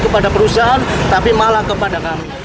kepada perusahaan tapi malah kepada kami